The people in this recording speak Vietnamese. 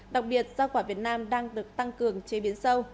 đặc biệt rau quả việt nam đang được tăng cường chế biến sâu